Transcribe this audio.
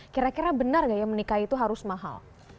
kira kira benar gak ya menikah itu harus mahal